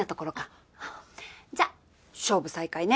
じゃあ勝負再開ね！